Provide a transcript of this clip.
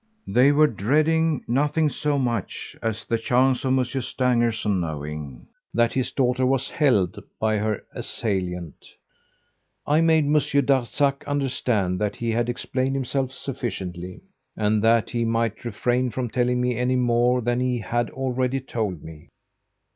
They were dreading nothing so much as the chance of Monsieur Stangerson knowing that his daughter was 'held' by her assailant. I made Monsieur Darzac understand that he had explained himself sufficiently, and that he might refrain from telling me any more than he had already told me.